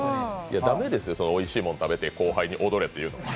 駄目ですよ、おいしいもん食べて、後輩に踊れって。